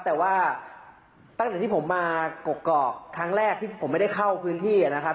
แต่ว่าตั้งแต่ที่ผมมากกอกครั้งแรกที่ผมไม่ได้เข้าพื้นที่นะครับ